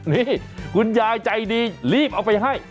นี่คุณยายใจดีรีบเอาไปให้